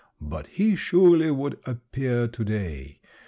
But he surely would appear to day.